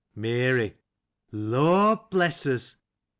Mary. — Lord bless us